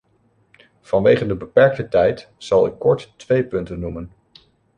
Vanwege de beperkte tijd zal ik kort twee punten noemen.